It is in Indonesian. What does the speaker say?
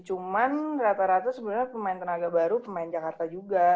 cuman rata rata sebenarnya pemain tenaga baru pemain jakarta juga